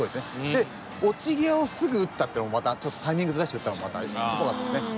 で落ち際をすぐ打ったっていうのもまたタイミングずらして打ったのもすごかったですね。